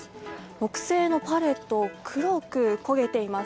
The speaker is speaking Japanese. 木製のパレットが黒く焦げています。